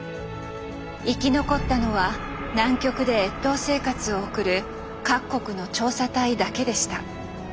生き残ったのは南極で越冬生活を送る各国の調査隊だけでした。